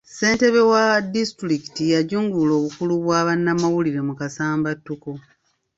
Ssentebe wa disitulikiti yajungulula obukulu bwa bannamawulire mu kasambattuko.